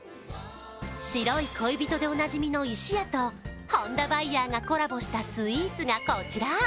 白い恋人でおなじみのＩＳＨＩＹＡと本田バイヤーがコラボしたスイーツがこちら。